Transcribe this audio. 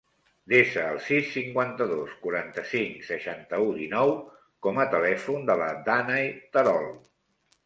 Desa el sis, cinquanta-dos, quaranta-cinc, seixanta-u, dinou com a telèfon de la Dànae Terol.